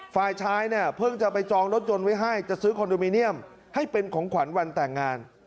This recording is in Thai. ฝ่ายชายเนี่ยเพิ่งจะไปจองรถยนต์ไว้ให้จะซื้อคอนโดมิเนียมให้เป็นของขวัญวันแต่งงาน